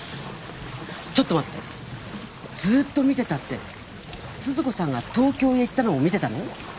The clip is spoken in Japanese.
ちょっと待ってずーっと見てたって鈴子さんが東京へ行ったのも見てたの？